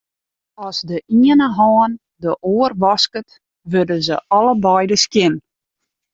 As de iene hân de oar wasket, wurde se allebeide skjin.